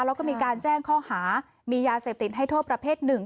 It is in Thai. แล้วก็มีการแจ้งข้อหามียาเสพติดให้โทษประเภทหนึ่ง